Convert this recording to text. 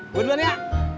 gue duluan ya